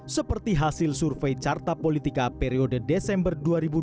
seperti hasil survei carta politika periode desember dua ribu dua puluh